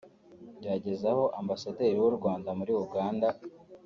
Byageze aho Ambasaderi w’u Rwanda muri Uganda